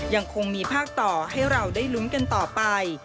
ยังคงมีภาคต่อให้เราได้ลุ้นกันต่อไป